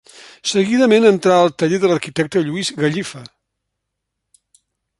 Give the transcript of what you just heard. Seguidament entrà al taller de l'arquitecte Lluís Gallifa.